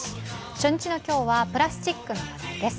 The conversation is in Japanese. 初日の今日はプラスチックの話題です。